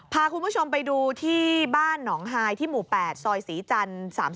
พาคุณผู้ชมไปดูที่บ้านหนองฮายที่หมู่๘ซอยศรีจันทร์๓๔